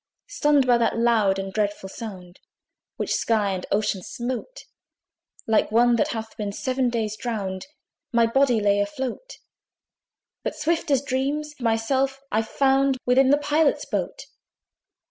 Stunned by that loud and dreadful sound, Which sky and ocean smote, Like one that hath been seven days drowned My body lay afloat; But swift as dreams, myself I found Within the Pilot's boat.